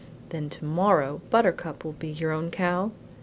"Then tomorrow Buttercup will be your own cow?"